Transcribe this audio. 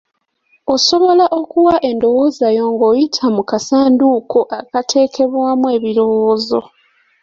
Osobola okuwa endowooza yo ng'oyita mu kasanduuko akatekebwamu ebirowoozo.